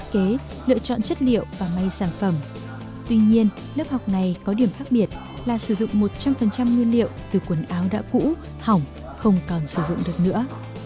không cần sử dụng được nữa